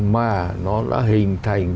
mà nó đã hình thành